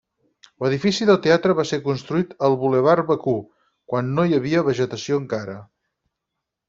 L'edifici del teatre va ser construït al Bulevard Bakú, quan no hi havia vegetació encara.